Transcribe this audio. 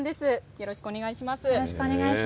よろしくお願いします。